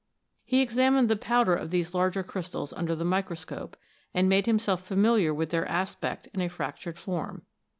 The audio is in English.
He examined the powder of these larger crystals under the micro scope, and made himself familiar with their aspect in a fractured form.